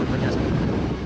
karena kotornya sedikit